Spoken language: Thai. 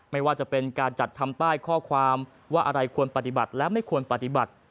ไม่ว่าจะเป็นการจัดทำป้ายข้อความว่าอะไรควรปฏิบัติและไม่ควรปฏิบัติ